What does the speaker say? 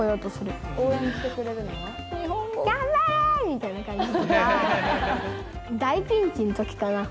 みたいな感じ。